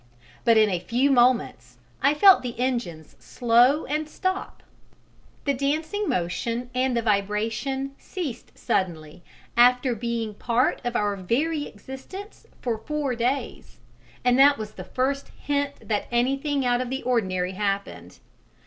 But in a few moments I felt the engines slow and stop; the dancing motion and the vibration ceased suddenly after being part of our very existence for four days, and that was the first hint that anything out of the ordinary had happened.